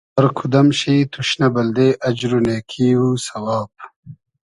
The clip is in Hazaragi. آر کودئم شی توشنۂ بئلدې اجر و نېکی و سئواب